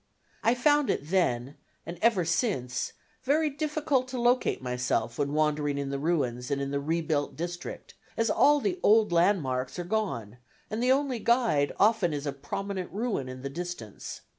I found it then, and ever since, very difficult to locate myself when wandering in the ruins and in the rebuilt district, as all the old landmarks are gone and the only guide often is a prominent ruin in the distance.